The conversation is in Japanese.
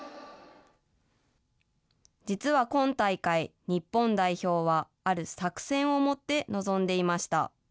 実は今大会、日本代表は、ある作戦を持って臨んでいました。